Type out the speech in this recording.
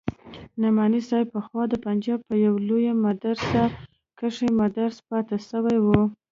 نعماني صاحب پخوا د پنجاب په يوه لويه مدرسه کښې مدرس پاته سوى و.